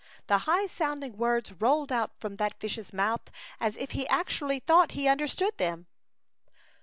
The high sounding words rolled out from that fish's rriouth as if he ac tually thought he understood them.